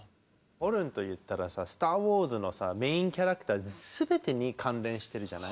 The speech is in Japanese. ホルンといったらさ「スター・ウォーズ」のメインキャラクター全てに関連してるじゃない？